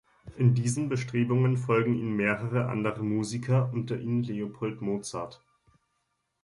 In diesen Bestrebungen folgen ihnen mehrere andere Musiker, unter ihnen Leopold Mozart.